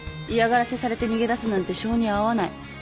嫌がらせされて逃げ出すなんて性に合わない。